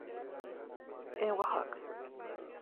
En Oaxaca.